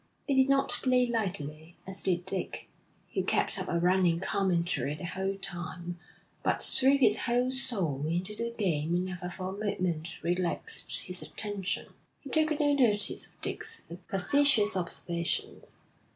He did not play lightly as did Dick, who kept up a running commentary the whole time, but threw his whole soul into the game and never for a moment relaxed his attention. He took no notice of Dick's facetious observations.